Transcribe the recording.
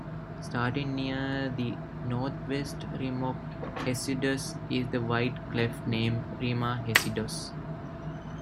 Starting near the northwest rim of Hesiodus is the wide cleft named Rima Hesiodus.